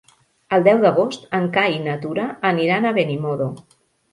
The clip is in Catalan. El deu d'agost en Cai i na Tura aniran a Benimodo.